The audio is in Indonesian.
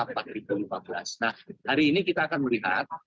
nah hari ini kita akan melihat